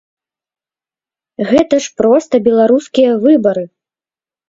Гэта ж проста беларускія выбары!